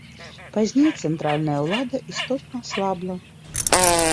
Пазней цэнтральная ўлада істотна аслабла.